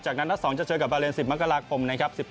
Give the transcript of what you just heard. จากนั้นนัด๒จะเจอกับบาเลน๑๐มกราคมนะครับ